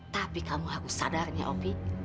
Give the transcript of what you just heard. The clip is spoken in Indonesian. tapi kamu harus sadarnya opi